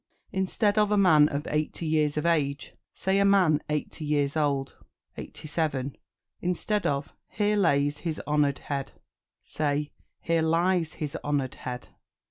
Instead of "A man of eighty years of age," say "A man eighty years old." 87. Instead of "Here lays his honoured head," say "Here lies his honoured head."